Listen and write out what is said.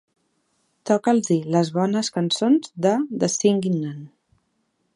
Toca'ls-hi les bones cançons de The Singing Nun.